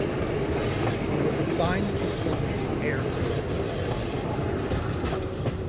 He was assigned to filming Air Corps footage.